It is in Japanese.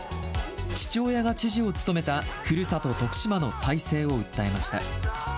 父親が知事を務めたふるさと、徳島の再生を訴えました。